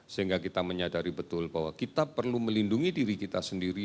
sehingga kita menyadari betul bahwa kita perlu melindungi diri kita sendiri